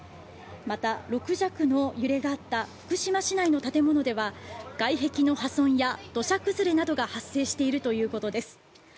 また、６弱の揺れがあった福島市内の建物では外壁の破損や土砂崩れなどが発生しているということです。